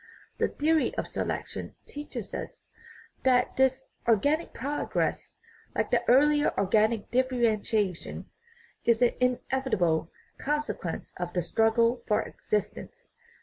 The theory of selection teaches us that this organic progress, like the earlier organic differentiation, is an inevitable consequence of the struggle for existence.